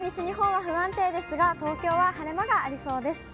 東日本や西日本は不安定ですが、東京は晴れ間がありそうです。